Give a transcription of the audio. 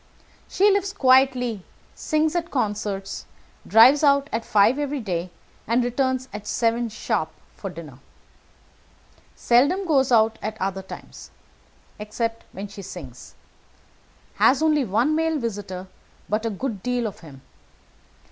She lives quietly, sings at concerts, drives out at five every day, and returns at seven sharp for dinner. Seldom goes out at other times, except when she sings. Has only one male visitor, but a good deal of him.